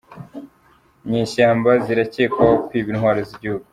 Inyeshyamba ziracyekwaho kwiba intwaro zigihugu